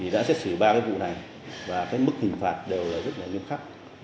đã xét xử ba vụ này và mức hình phạt đều rất là nghiêm khắc